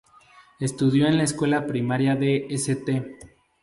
Estudió en la escuela primaria de St.